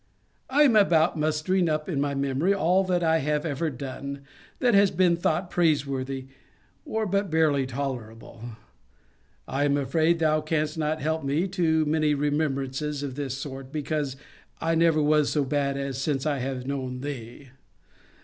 I am about mustering up in my memory, all that I have ever done, that has been thought praise worthy, or but barely tolerable. I am afraid thou canst not help me to many remembrances of this sort; because I never was so bad as since I have known thee.